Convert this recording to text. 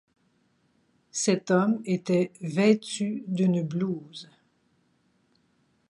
Cet homme était vêtu d'une blouse.